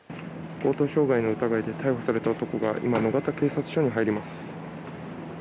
強盗傷害の疑いで逮捕された男が、今、野方警察署に入ります。